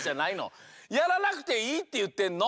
やらなくていいっていってんの！